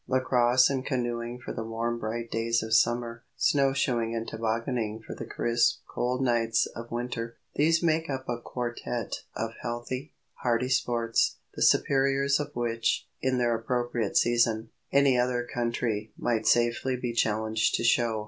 Lacrosse and canoeing for the warm bright days of summer, snow shoeing and tobogganing for the crisp cold nights of winter, these make up a quartette of healthy, hearty sports, the superiors of which, in their appropriate season, any other country might safely be challenged to show.